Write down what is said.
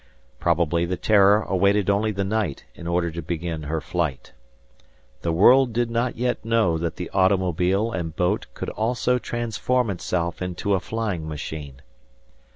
Probably the "Terror" awaited only the night in order to begin her flight. The world did not yet know that the automobile and boat could also transform itself into a flying machine.